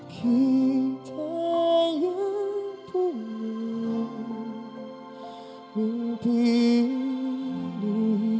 kita yang punya mimpi ini